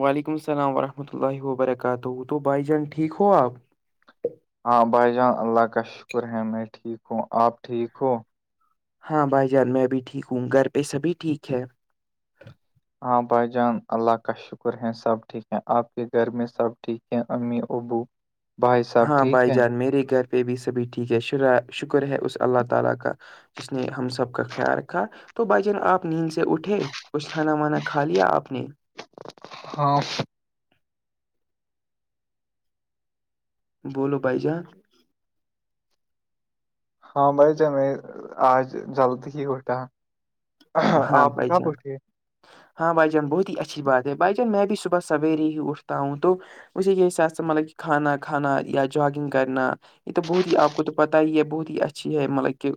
وعلیکم السلام ورحمۃ اللہ وبرکاتہ تو بھائی جان ٹھیک ہو آپ ہاں بھائی جان اللہ کا شکر ہے میں ٹھیک ہوں آپ ٹھیک ہو ہاں بھائی جان میں بھی ٹھیک ہوں گھر پہ سبھی ٹھیک ہے ہاں بھائی جان اللہ کا شکر ہے سب ٹھیک ہے آپ کے گھر میں سب ٹھیک ہے امی ابو بھائی صاحب ہاں ٹھیک بھائی ہے جان میرے گھر پہ بھی سبھی ٹھیک ہے شروع شکر ہے اس اللہ تعالی کا جس نے ہم سب کا خیال رکھا تو بھائی جان آپ نیند سے اٹھے کچھ کھانا وانا کھا لیا آپ نے ہاں بولو بھائ جان ہاں بھائی جان میں آج جلدی ہی اٹھا ہاں آپ بھائی کب جان اٹھے ہاں بھائی جان بہت ہی اچھی بات ہے بھائی جان میں بھی صبح سویرے ہی اٹھتا ہوں تو ویسے کہ ساتھ سے مطلب کہ کھانا کھانا یا جاگنگ کرنا یہ تو بہت ہی آپ کو تو پتا ہی ہے بہت ہی اچھی ہے مطلب کہ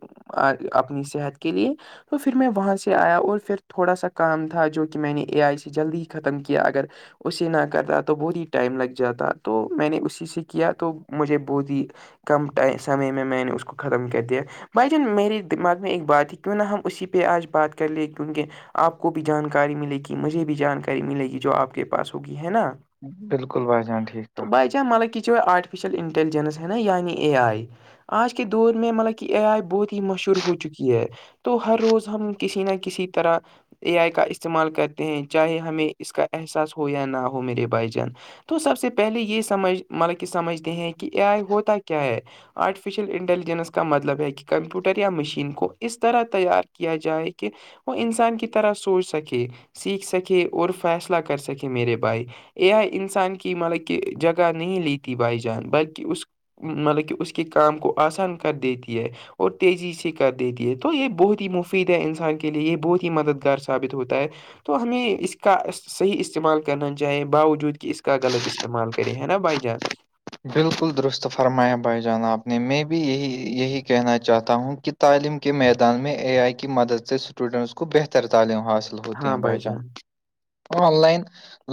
اپنی صحت کے لیے تو پھر میں وہاں سے سے آیا اور پھر تھوڑا سا کام تھا جو کہ میں نے اے آئی سے جلدی ہی ختم کیا اگر اسے نہ کرتا تو بہت ہی ٹائم لگ جاتا تو میں نے اسی سے کیا تو مجھے بہت ہی کم ٹ سمے میں میں نے اس کو ختم کر دیا بھائی جان میرے دماغ میں ایک بات ہے کیوں نہ ہم اسی پہ آج بات کر لے کیونکہ آپ کو بھی جانکاری ملے گی مجھے بھی جانکاری ملے گی جو آپ کے پاس ہوگی ہے نا بالکل بھائی جان ٹھیک ٹھاک کیا کیا مطلب کہ چ آٹفشل انٹیلجنس ہے نایعنی اے آئی آج کے دور میں مطلب کہ اے آئی بہت ہی مشہور ہو چکی ہے تو ہر روز ہم کسی نہ کسی طرح اے آئی کا استعمال کرتے ہیں چاہے ہمیں اس کا احساس ہو یا نہ ہو میرے بھائی جان تو سب سے پہلے یہ سمجھ مطلب کہ سمجھتے ہیں کہ اے آئی ہوتا کیا ہے آرٹیفیشیل انٹیلیجنس کا مطلب ہے کہ کمپیوٹر یا مشین کو اس طرح تیار کیا جائے کہ کہ وہ انسان کی طرح سوچ سکے سیکھ سکے اور فیصلہ کر سکے میرے بھائی اے آںی انسان کی مطلب کہ جگہ نہیں لیتی بھائی جان بلکہ اس مطلب کہ اس کے کام کو آسان کر دیتی ہے اور تیزی سے کر دیتی ہے تو یہ بہت ہی مفید ہے ان سے کے لیے یہ بہت ہی مددگار ثابت ہوتا ہے تو ہمیں اس کا صحیح استعمال کرنا چاہے باوجود کہ اس کا غلط استعمال کرے ہے نا بھائی جان بالکل درست فرمایا بھائی جانا آپ نے میں بھی یہی یہی کہنا چاہتا ہوں کہ تعلیم کے میدان میں اے آئی کی مدد سے اسٹوڈنٹس کو بہتر تعلیم حاصل ہوتے ہاں ہیں بھائی بائی جان چانس آن لائن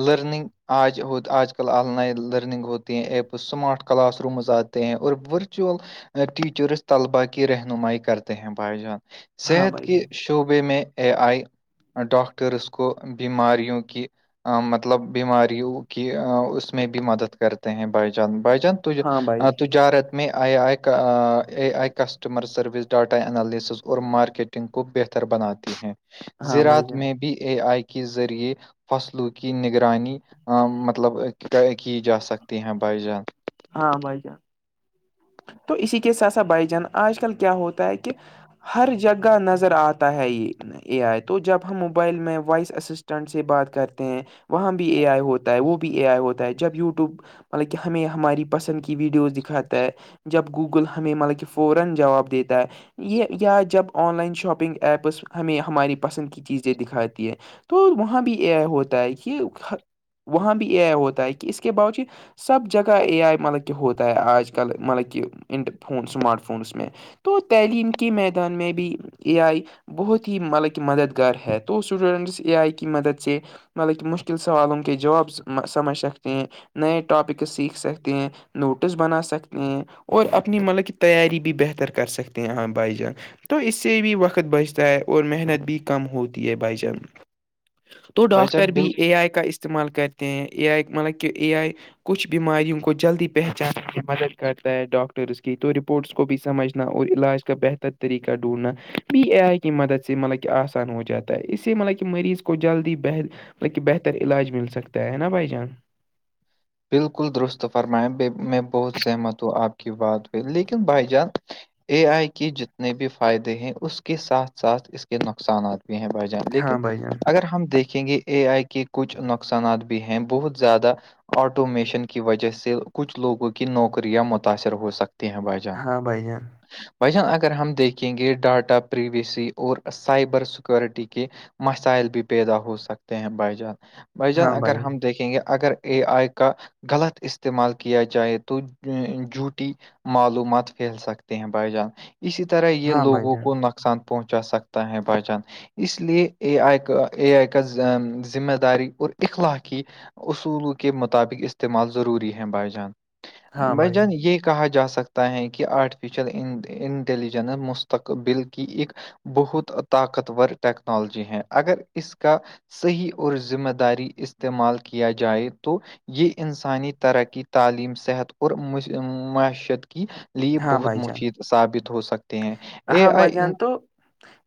لرننگ آج آج کل آن لائن لرننگ ہوتی ہے ایپ اسمارٹ کلاس رومز آتے ہیں اور ورچوئول ٹیچرس طلباء کی رہنمائی کرتے ہیں بھائی جان ہاں صحت بھائی کی جان شعبے میں اے آئی ڈاکٹرس کو بیماریوں کی مطلب بیماریوں کی اس میں بھی مدد کرتے ہیں بھا‌ی بھائی جان ہاں بھائی تجارت میں I I A I customer service data analysis اور مارکیٹ کو بہتر بناتی ہیں ہاں بھائی زرعات جان میں بی اے آئی کی کے ذریعے فصلوں کی نگرانی مطلب کی جا سکتی ہیں بائیجان ہاں بھائی ج تو اسی کیس ایسا بھائی جان آج کل کیا ہوتا ہے کہ ہر جگہ نظر آتا ہے یہ اے آئی تو جب ہم موبائل میں وائس اسسٹنٹ سے بات کرتے ہیں وہاں بھی اے آئی ہوتا ہے وہ بھی اے آئی ہوتا ہے جب یوٹیوب مطلب کہ ہمیں ہماری پسند کی ویڈیوز دکھاتا ہے جب گوگل ہمیں ملک فورا جواب دیتا ہے یہ یا جب آن لائن شاپنگ ایپس ہمیں ہماری پسند کی چیزیں دکھاتی ہے تو وہاں بھی یہ ہوتا ہے کہ وہاں بھی اے آئی ہوتا ہے کہ اس کے باوجود سب جگہ اے آئی مطلب کہ ہوتا ہے آج آ کل مطلب کہ انٹ فون سماٹ فونز میں تو تعلیم کے میدان میں بھی یہ آئی بہت ہی مطلب کہ مددگار ہے تو اسٹوڈنٹس اے آئی کی مدد سے مطلب کہ مشکل سوال ان کے جواب سمجھ سکتے ہیں نئے ٹاپک سیکھ سکتے ہیں نوٹس بنا سکتے اور اپنی مطلب کہ تیاری بھی بہتر کر سکتے ہیں ہاں بھائی جان تو اس سے بھی وقت بچتا ہے اور محنت بھی کم ہوتی ہے بھائی جان تو بھائی جان ڈاکٹر بی بل اے آئی کا اس استعمال کرتے ہیں اے آئی مطلب کہ اے آئی کچھ بیماریوں کو جلدی پہچاننے کی مدد کرتا ہے ڈاکٹرس کی تو رپورٹس کو بھی سمجھنا اور علاج کا بہتر طریقہ ڈھونڈھنا پی اے آئی کی مدد سے مطلب کہ آسان ہو جاتا ہے اس سے مطلب کہ مریض کو جلدی بہر بلکہ بہتر علاج مل سکتا ہے نا بھائی جان بالکل درست فرمائےیں ب میں بہت سہمت ہوں آپ کی کی بات ہوئی لیکن بھائی جان اے آئی کے جتنے بھی فائدے ہیں اس کے ساتھ ساتھ اس کے نقصانات بھی ہیں ب لیکن ہاں بھائی جان اگر ہم دیکھیں گے اے آئی کے کچھ نقصانات بھی ہیں بہت زیادہ آٹومیشن کی وجہ سے کچھ لوگوں کی نوکریاں متاثر ہو سکتی ہیں بائی چانس ہاں بھائی جان بھائی جان اگر ہم دیکھیں گے ڈاٹا پری وی سی اور سائبر سکیورٹی کے مسائل بھی پیدا ہو سکتے ہیں بھائی جان بھائی جان اگر ہم دیکھیں گے اگر اے آئی کا غلط استعمال کیا جائے تو جوٹی معلومات پھیل سکتے ہیں بائی جان اسی طرح یہ ہاں بھائی لوگوں جان کو نق نقصان پہنچا سکتا ہے بھ جان اس لیے اے آئی کا اے آئی کا ذمہ داری اور اخلا کی اصول کے مطابق استعمال ضروری ہے بائی جان ہاں بھائی بائیجان یہ کہا جا سکتا تیں کہ آرٹیفیشیل انٹیلیجنس مستقبل کی ایک بہت طاقتور ٹیکنالوجی ہے اگر اس کا صحیح اور ذمہ داری استعمال کیا جائے تو یہ انسانی ترقی تعلیم صحت اور معیشت کی لی ہاں بہت بھائی جان مفید ثابت ہو سک ہاں بجان تو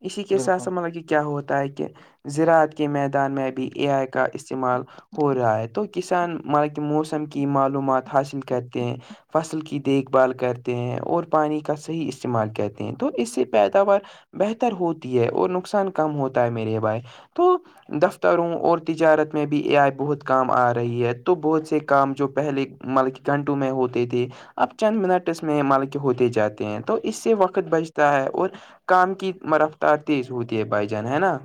اسی کے ساتھ بالکل س ملب کیا ہوتا ہے کہ زراعات کے میدان میں بھی اے آئی کا استعمال ہو رہا ہے تو کسان مل کہ موسم کی معلومات حاصل کرتے ہیں فصل کی دیکھ بھال کرتے ہیں اور پانی کا صحیح استعمال کہتے ہیں تو اس سے پیداوار بہتر ہوتی ہے اور نقصان کم ہوتا ہے میرے بھائے تو دفتروں اور تجارت میں بھی اے آئی بہت کام آ رہی ہے تو بہت سے کام جو پہلے مطلب کہ گھنٹوں میں ہوتے تھے اب چند منٹس میں مطلب کے ہوتے جاتے ہیں تو اس سے وقت بچتا ہے اور کام کی م رفتار تیز ہوتی ہے بھائی جان ہے نا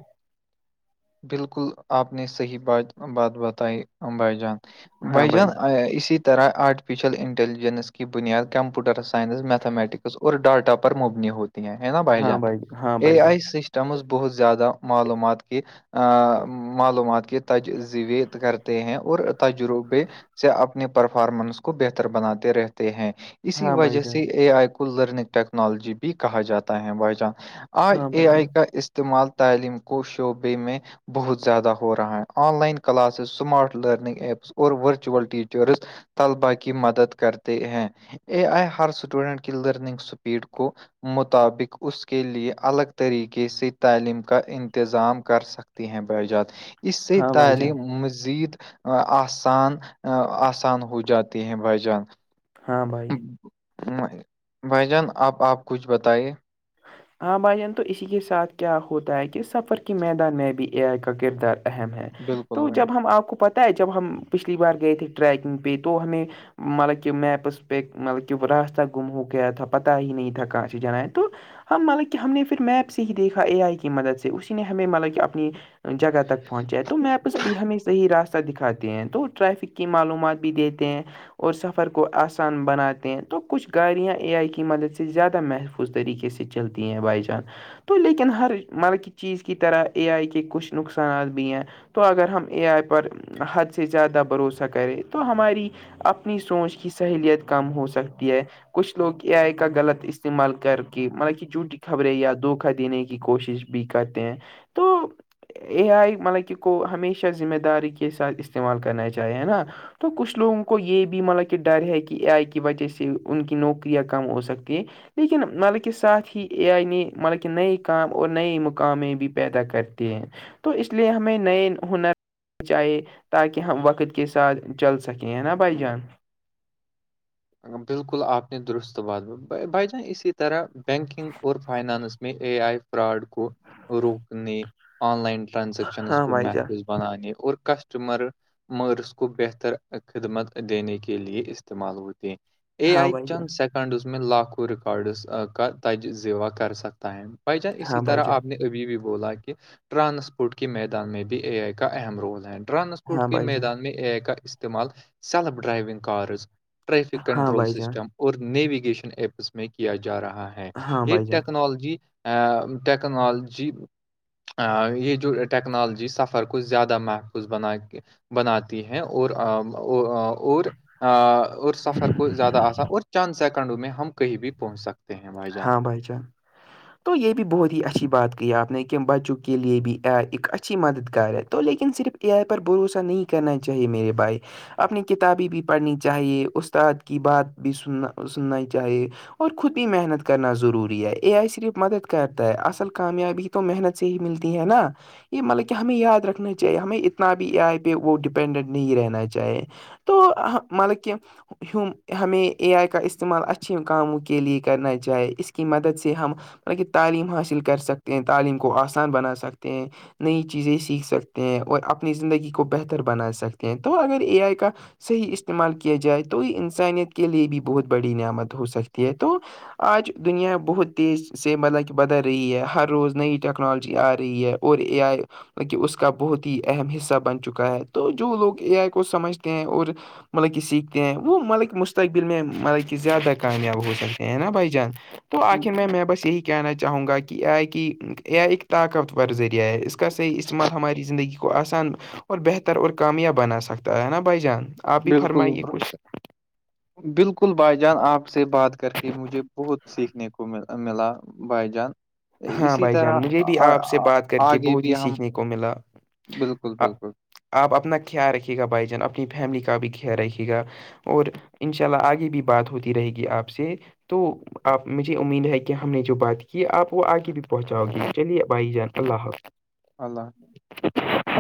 بالکل آپ نے صحیح بات بات بتائی ام بھائی جان بھائی جان اسی طرح آرٹیفیشل انٹیلیجنس کی بنیاد کمپیوٹر سائنس میتھمییٹکس اور ڈاٹا پر مبنی ہوتی ہے نا ہاں بائیجا بھائی ہاں ا بھائی جان آئی مز بہت زیادہ معلومات کیی معلومات کیی تجزویید کرتے ہیں اور تجربے سے اپنی پرفارمنس کو بہتر بناتے رہتے ہیں اسی ہاں بھائی وجہ جان سے اے آئی کو لرننگ ٹیکنالوجی بھی کہا جاتا ہے بائی جان آئی ہاں اے بھائی آئی جان کا استعمال تعلیم کو شعبے میں بہت زیادہ ہو رہا ہے online classes smart learning apps اور ورچوئول ٹیچرس طلبا کی مدد کرتے ہیں اے آئی ہر اسٹوڈنٹ کی لرننگ اسپیڈ کو مطابق اس کے لے الگ طریقے سے تعلیم کا انتظام کر سک ہیں ب جات اس سے ہاں بھائی جان تعلیم مزید آسان آسان ہو جاتے ہیں بھائی جان ہاں بھائی بھائی جان اب آپ کچھ بتائیے ہاں بھائی جان تو اسی کے ساتھ کیا ہوتا ہے کہ سفر کے میدان میں بھی اے آئی کا کردار اہم ہے بالکل تو بھائی جب جان۔ ہم آپ کو پتا ہے جب ہم پچھلی بار گئے تھے ٹریکنگ پہ تو ہمیں مطلب کہب میپس پک مطلب کہب راستہ گمہ ہو گیا تھا پتہ ہیی نہیں تھا کہان جنان تو ہم مطلب کہ ہم نے پھر میپ سے ہی دیکھا اے آئی کی مدد سے اسی نے ہمیں مطلب کہ اپنی جگہ تک پہنچے تو میپس بھی ہمیں صحی راستہ دکھاتے ہیں تو ٹریفک کی معلومات بھی دیتے ہیں اور سفر کو آسان بناتے ہیں تو کچھ گاڑیاں اے آئی کی مدد سے زیادہ محفوظ اس طریقے سے چلتی ہیں بائی چانس تو لیکن ہر مطلب کی چیز کی طرح اے آئی کے کچھ نقصانات بھی ہیں تو اگر ہم اے آئی پر حد سے زیادہ بھروسہ کریں تو ہماری اپنی سوچ کی سہلیت کم ہو سکتی ہے کچھ لوگ اے آئی کا غلط استعمال کر کے مطلب کہ جھوٹی خبریں یا دھوکا دینے کی کوشش بھی کرتے ہیں تو اے آئی مطلب کہ کو ہمیشہ ذمہ داری کے ساتھ استعمال کرنا چاہیے نا تو کچھ لوگوں کو یہ بھی مطلب کہ ڈر ہے کہ ا آئی کی وجہ سے ان کی نوکریاں کم ہو سکتی ہیں لیکن مال کے ساتھ ہی اے آئی نے مال کے نئے کام اور نئے مقامے بھی پیدا کرتے ہیں تو اس لیے ہمیں نئے ہنر چاہے تاکہ ہم وقت کے ساتھ چل سکیں نا بھائی جان بالکل آپ نے درست بات بھ جان اسی طرح بینکنگ اور فائنانس میں اے آئی فراڈ کو روکنے آن لائن ٹرانزیکشنز ہاں کو بھائی جان محفوظ بنانانیے اور کسٹمر مرض کو بہتر خدمت دینے کے لے استعمال ہوتی اے ہاں آئی بھائی چند جان سیکنڈز میں لاکھوں ریکارڈس کا تج زیوہ کر سکتے ہے بائی چانس اسی ہاں بھائی طرح جان آپ نے ابھی بھی بولا کہ ٹرانسپورٹ کے میدان میں بھی اے آئی کا اہم رول ہے ٹرانسپورٹ ہاں کے بھائی جان میدان میں کا استعمال سیلف ڈرائیونگ کارز ٹریفک ہاں کنٹرول بھائی جان سسٹم اور نیویگیشن ایپس میں کیا جا رہا ہے ہاں یہ بھائی جان ٹیکنالوجی ا ٹیکنالوجی یہ جو ٹیکنالوجی سفر کو زیادہ محفوظ بنا بناتی ہے اور اور سفر کو زیادہ آسا اور چاند سیکنڈوں میں ہم کہیں بھی پہنچ سکتے ہیں جان ہاں بھائی چان تو یہ بھی بہت ہی اچھی بات کہ آپ نے کہ بچوں کے لیے بھی آ ایک اچھی مددگار ہے تو لیکن صرف اے آئی پر بھروسہ نہیں کرنا چاہیے میرے بھائی اپنی کتابیں بھی پڑھنی چاہیے استاد کی بات بھی سننا سننا چاہیے اور خود ہی محنت کرنا ضروری ہے یہ آ صرف مدد کرتا ہے اصل کامیابی تو محنت سے ہی ملتی ہے نا یہ مطلب کہ ہمیں یاد رکھنا چاہیے ہمیں اتنا بھی آئے پہ وہ ڈپینڈنٹ نہیں رہنا چاہے تو مطلب کہ ہم ہمیں اے آئی کا استعمال اچھیے کاموں کے لے کرنائی جائے اس کی مدد سے ہم بط کہ تعلیم حاصل کر سکتے ہیں تعلیم کو آسان بنا سکتے ہیں نئی چیزیں سیکھ سکتے ہیں اور اپنی زندگی کو بہتر بنا سکتے ہیں تو اگر اے آئی کا صحیح استعمال کیا جائے تو یہ انسانیت کے لئے بھی بہت بڑی نعمت ہو سکتی ہے تو آج دنیا بہت تیز سے مطلب کہ بدل رہی ہے ہر روز نئی ٹیکنالوجی آ رہی ہے اور یہ آئے کہ اس کا بہت ہی اہم حصہ بن چکا ہے تو جو لوگ اے آئی کو سمجھتے ہیں اور مطلب کہ سیکھتے ہیں وہ مطلب کہ مستقبل میں مطلب کہ زیادہ کامیاب ہو سکتے ہیں نا بھائی جان تو آخر میں میں بس یہی کہنا چاہوں گا کہ ایک طاقتور ذریعہ ہے اس کا صحیح استعمال ہماری زندگی کو آسان اور بہتر اور کامیاب بنا سکتا ہے نا بائی جان آپ بھی بالکل فرمائیے کچھ بالکل بھائی جان آپ سے بات کر کے مجھے بہت سیکھنے کو م ملا بائی جان ہاں اسی بھائی جان طرح مجھے بھی آپ سے بات کر کے آگے بہت ہی بھی ہم سیکھنے کو ملا بالکل آ- بالکل آپ اپنا خیال رکھیے گا بھائی جان اپنی فیملی کا بھی خیال رکھیے گا اور ان شاء اللہ آگے بھی بات ہوتی رہے گی آپ سے تو آپ مجھے امید ہے کہ ہم نے جو بات کی آپ وہ آگے بھی پہنچاؤ گی چلیے بھائی جان اللہ حافظ اللہ